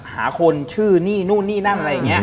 หาคนชื่อนี่นู่นนี่นั่นอะไรอย่างนี้